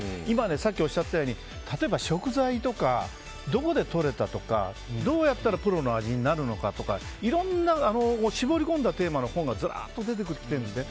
さっき、おっしゃってたように例えば、食材とかどこでとれたかどうやったらプロの味になるかいろんな絞り込んだテーマの本がずらーって出てきてるんですね。